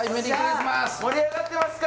盛り上がってますか？